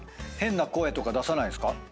変な声とか出さないですか？